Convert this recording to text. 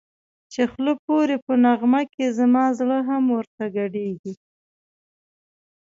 چی خوله پوری په نغمه کی زما زړه هم ورته گډېږی